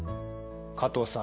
加藤さん